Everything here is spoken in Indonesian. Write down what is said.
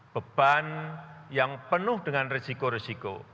beban yang penuh dengan risiko risiko